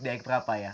di aiketrapa ya